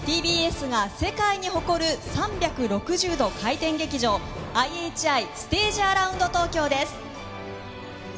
ＴＢＳが世界に誇る３６０度回転劇場ＩＨＩステージアラウンド東京です